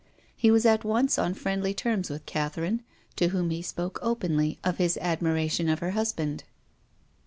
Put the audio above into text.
He was at once on friendly terms with Catherine, to whom he spoke openly of his admi ration of her husband.